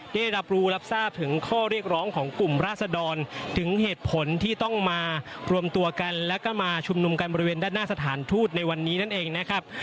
ได้รับรู้รับทราบถึงข้อเรียกร้องของกลุ่มราศดรถึงเหตุผลที่ต้องมารวมตัวกันแล้วก็มาชุมนุมกันบริเวณด้านหน้าสถานทูตในวันนี้นั่นเองนะครับ